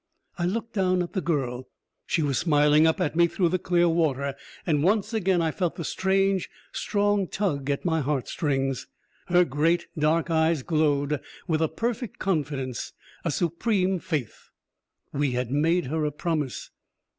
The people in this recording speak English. I looked down at the girl. She was smiling up at me through the clear water, and once again I felt the strange, strong tug at my heart strings. Her great dark eyes glowed with a perfect confidence, a supreme faith. We had made her a promise.